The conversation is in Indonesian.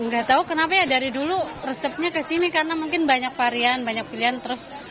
nggak tahu kenapa ya dari dulu resepnya kesini karena mungkin banyak varian banyak pilihan terus